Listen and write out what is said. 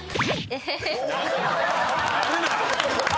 やるな！